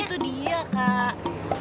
itu dia kak